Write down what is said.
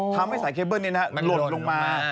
ทำให้สายเคเบิ้ลเนี่ยนะฮะลดลงมา